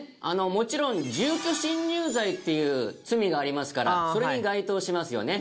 もちろん住居侵入罪っていう罪がありますからそれに該当しますよね。